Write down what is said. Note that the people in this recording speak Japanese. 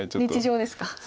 日常ですか。